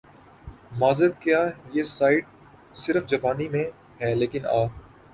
معذرت کہ یہ سائیٹ صرف جاپانی میں ھے لیکن آ